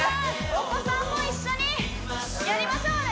お子さんも一緒にやりましょうね